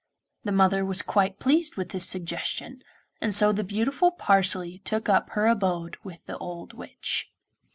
The mother was quite pleased with this suggestion, and so the beautiful Parsley took up her abode with the old witch.